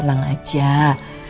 mama nggak sisipin sesuatu di dalam ini